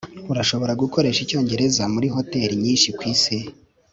urashobora gukoresha icyongereza muri hoteri nyinshi kwisi